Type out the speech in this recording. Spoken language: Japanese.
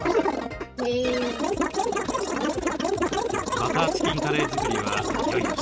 バターチキンカレー作りはいよいよ仕上げに。